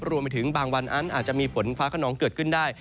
รวมไปถึงบางวันนั้นอาจจะมีฝนฟ้าขนองเกิดขึ้นได้